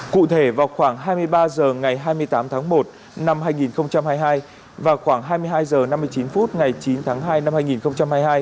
cụ thể vào khoảng hai mươi ba h ngày hai mươi tám tháng một năm hai nghìn hai mươi hai và khoảng hai mươi hai h năm mươi chín phút ngày chín tháng hai năm hai nghìn hai mươi hai